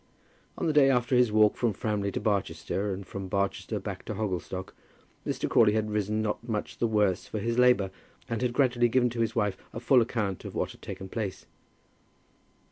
On the day after his walk from Framley to Barchester, and from Barchester back to Hogglestock, Mr. Crawley had risen not much the worse for his labour, and had gradually given to his wife a full account of what had taken place.